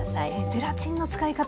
ゼラチンの使い方